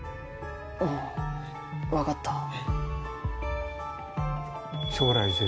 分かった。